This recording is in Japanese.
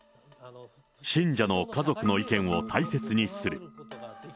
信者の家族の意見を大切にする。